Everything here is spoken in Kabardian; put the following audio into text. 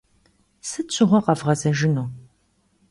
Сыт щыгъуэ къэвгъэзэжыну?